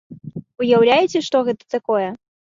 Уяўляеце, што гэта такое?!